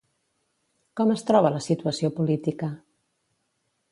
Com es troba la situació política?